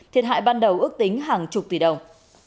thiệt hại ban đầu ước tính hàng chục tỷ đồng